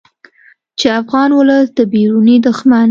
چې افغان ولس د بیروني دښمن